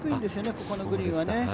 ここのグリーンはね。